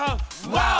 ワオ！